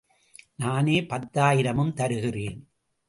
நானே பத்தாயிரமும் தருகிறேன்.